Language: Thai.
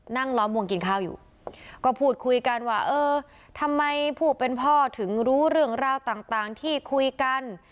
ล้อมวงกินข้าวอยู่ก็พูดคุยกันว่าเออทำไมผู้เป็นพ่อถึงรู้เรื่องราวต่างที่คุยกัน